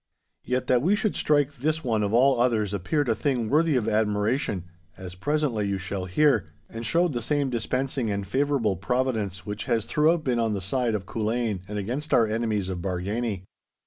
Yet that we should strike this one of all others appeared a thing worthy of admiration, as presently you shall hear, and showed the same dispensing and favourable Providence which has throughout been on the side of Culzean and against our enemies of Bargany.